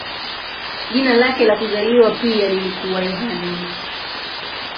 Jina lake la kuzaliwa pia lilikuwa Yohane.